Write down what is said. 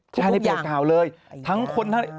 ใช่แล้วนี่เพจข่าวเลยทั้งคนทั้ง